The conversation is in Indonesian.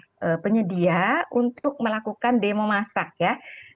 kepada pihak penyedia untuk melakukan demo masak ya